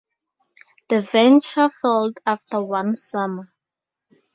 The venture failed after one summer.